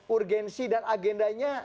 urgensi dan agendanya